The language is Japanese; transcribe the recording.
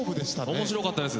面白かったです。